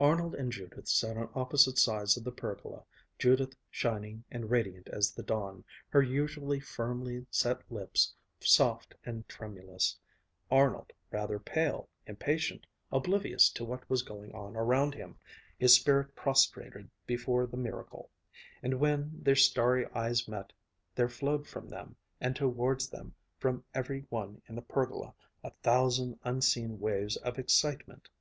Arnold and Judith sat on opposite sides of the pergola, Judith shining and radiant as the dawn, her usually firmly set lips soft and tremulous; Arnold rather pale, impatient, oblivious to what was going on around him, his spirit prostrated before the miracle; and when their starry eyes met, there flowed from them and towards them from every one in the pergola, a thousand unseen waves of excitement.